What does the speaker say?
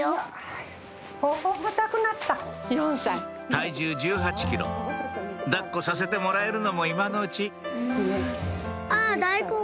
体重１８ｋｇ抱っこさせてもらえるのも今のうちあっだいこん。